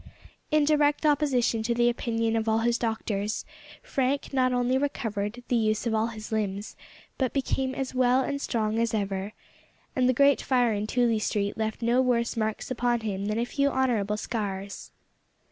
In direct opposition to the opinion of all his doctors, Frank not only recovered the use of all his limbs, but became as well and strong as ever and the great fire in Tooley Street left no worse marks upon him than a few honourable scars.